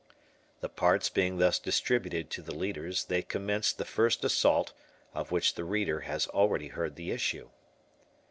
The parts being thus distributed to the leaders, they commenced the first assault, of which the reader has already heard the issue.